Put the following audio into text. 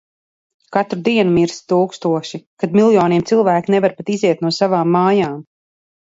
Kad katru dienu mirst tūkstoši. Kad miljoniem cilvēki nevar pat iziet no savām mājām.